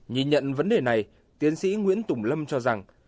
nhìn nhận vấn đề này tiến sĩ nguyễn tùng lâm cho rằng